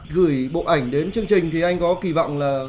gửi bộ ảnh đến chương trình thì anh có kỳ vọng là